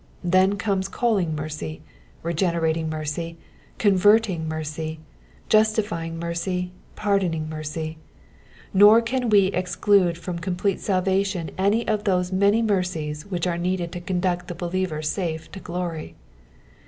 Then comes calling mercy, regenerating mercy, converting mercy, justifying mercy, pardonmg mercy. Nor can we exclude from complete salvation any of those many mercies which are needed to conduct the be liever safe to glory.